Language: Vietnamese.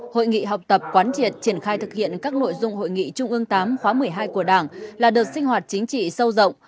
hội nghị học tập quán triệt triển khai thực hiện các nội dung hội nghị trung ương viii khóa một mươi hai của đảng là đợt sinh hoạt chính trị sâu rộng